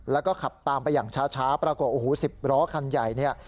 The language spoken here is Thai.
แล้วก็ขับตามไปอย่างช้าประกว่า๑๐ล้อคันใหญ่